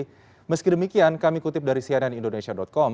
jadi meski demikian kami kutip dari cnn indonesia com